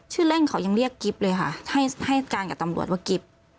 ชื่อแร่งเขายังเรียกกิฟต์เลยค่ะให้การกับตำรวจว่ากิฟต์